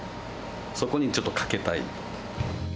そこにちょっとかけたい。